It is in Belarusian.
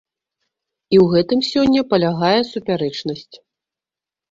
І ў гэтым сёння палягае супярэчнасць.